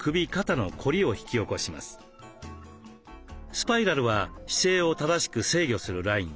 スパイラルは姿勢を正しく制御するライン。